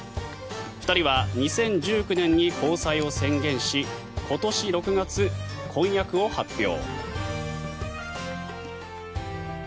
２人は２０１９年に交際を宣言し今年６月、婚約を発表。